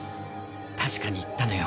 確かに言ったのよ。